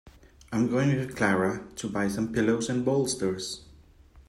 I'm going with Clara to buy some pillows and bolsters.